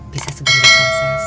bisa segera diproses